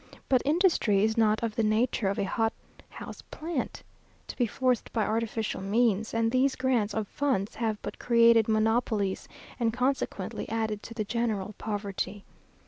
But industry is not of the nature of a hothouse plant, to be forced by artificial means; and these grants of funds have but created monopolies, and consequently added to the general poverty.